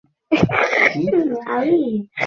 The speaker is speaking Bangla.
দক্ষিণপূর্ব এশিয়া বিষয়ে তাকে দায়িত্ব দেয়া হয়েছিল।